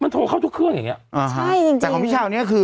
แต่ของพี่เช่านี้คือ